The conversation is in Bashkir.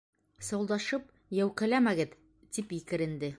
Сыуылдашып йәүкәләмәгеҙ! — тип екеренде.